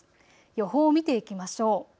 予報を見ていきましょう。